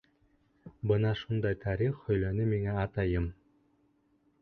Бына шундай тарих һөйләне миңә атайым.